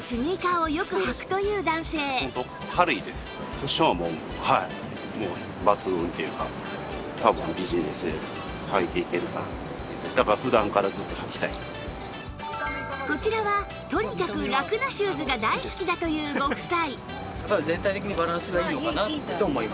こちらはこちらはとにかくラクなシューズが大好きだというご夫妻